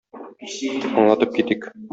Аңлатып китик.